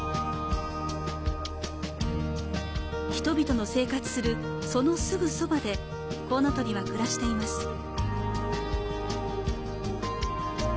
人々の生活するそのすぐそばでコウノトリは暮らしています。